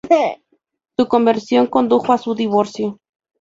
Su conversión condujo a su divorcio.